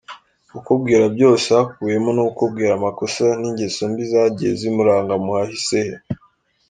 Kukubwira byose hakubiyemo no kukubwira amakosa n’ingeso mbi zagiye zimuranga mu hahise he.